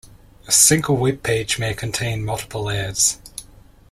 A single web page may contain multiple ads.